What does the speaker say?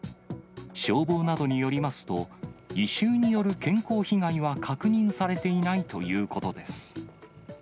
消防などによりますと、異臭による健康被害は確認されていないということです。